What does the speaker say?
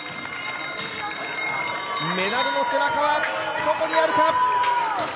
メダルの背中はどこにあるか。